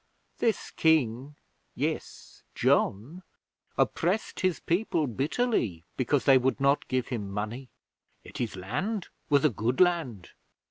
This King yes, John oppressed his people bitterly because they would not give him money. Yet his land was a good land.